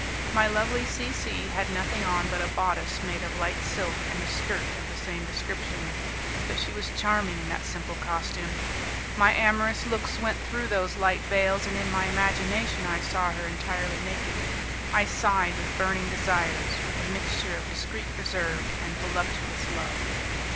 My lovely C C had nothing on but a bodice made of light silk and a skirt of the same description, but she was charming in that simple costume! My amorous looks went through those light veils, and in my imagination I saw her entirely naked! I sighed with burning desires, with a mixture of discreet reserve and voluptuous love.